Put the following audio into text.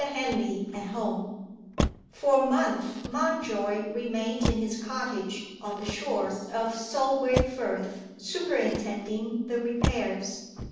HENLEY AT HOME FOR a month, Mountjoy remained in his cottage on the shores of the Solway Firth, superintending the repairs.